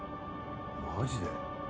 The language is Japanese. マジで？